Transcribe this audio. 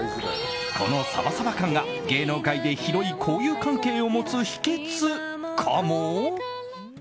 このサバサバ感が、芸能界で広い交友関係を持つ秘けつかも？